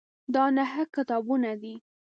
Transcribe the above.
دا نهه کتابونه دي.